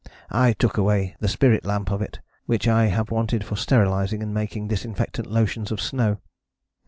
I took away the spirit lamp of it, which I have wanted for sterilizing and making disinfectant lotions of snow.